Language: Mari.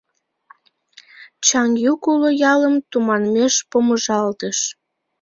Чаҥ йӱк уло ялым тыманмеш помыжалтыш.